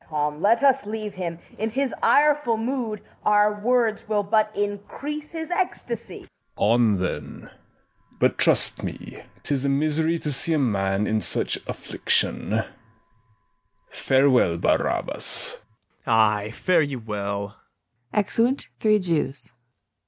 FIRST JEW. Come, let us leave him; in his ireful mood Our words will but increase his ecstasy. SECOND JEW. On, then: but, trust me, 'tis a misery To see a man in such affliction. Farewell, Barabas. BARABAS. Ay, fare you well.